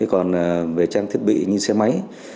còn về trang thiết bị như xe máy